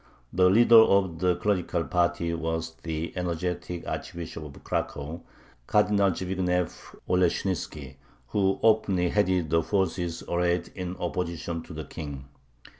The leader of the clerical party was the energetic Archbishop of Cracow, Cardinal Zbignyev Oleshnitzki, who openly headed the forces arrayed in opposition to the King.